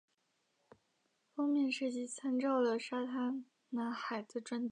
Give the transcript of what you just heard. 封面设计参照了海滩男孩的专辑。